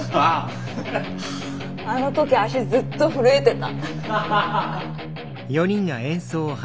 あの時足ずっと震えてた。